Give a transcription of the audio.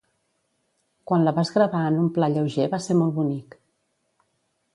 Quan la vas gravar en un pla lleuger va ser molt bonic.